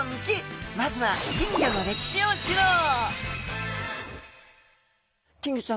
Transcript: まずは金魚の歴史を知ろう！